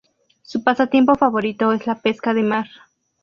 Su pasatiempo favorito es la pesca de mar.